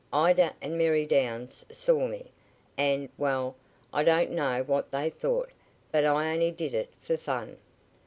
Ida and Mary Downs saw me, and well, I don't know what they thought, but I only did it for fun."